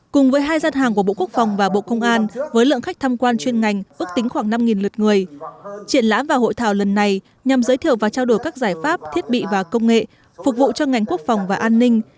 cùng với hai gian hàng của bộ quốc phòng và bộ công an với lượng khách tham quan chuyên ngành ước tính khoảng năm lượt người triển lãm và hội thảo lần này nhằm giới thiệu và trao đổi các giải pháp thiết bị và công nghệ phục vụ cho ngành quốc phòng và an ninh